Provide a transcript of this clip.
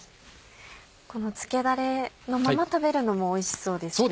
この漬けだれのまま食べるのもおいしそうですけど。